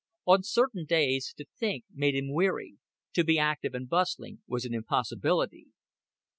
On certain days to think made him weary, to be active and bustling was an impossibility.